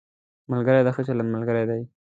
ملګری د ښه چلند ملګری دی